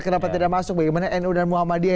kenapa tidak masuk bagaimana nu dan muhammadiyah